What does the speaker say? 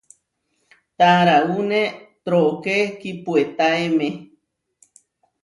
Taraúne trooké kipuetáeme.